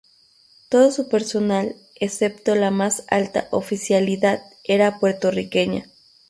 Todo su personal, excepto la más alta oficialidad, era puertorriqueña.